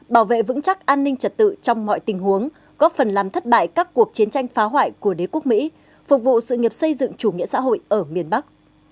bảo vệ vững chắc an ninh trật tự trong mọi tình huống góp phần làm thất bại các cuộc chiến tranh phá hoại của đế quốc mỹ phục vụ sự nghiệp xây dựng chủ nghĩa xã hội ở miền bắc